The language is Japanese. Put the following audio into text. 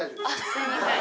すいません